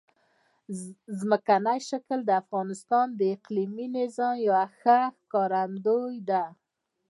ځمکنی شکل د افغانستان د اقلیمي نظام یوه ښه ښکارندوی ده.